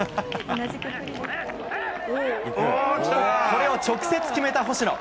これを直接、決めた星野。